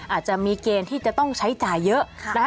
อาจจะมีเกณฑ์ที่จะต้องใช้จ่ายเยอะนะคะ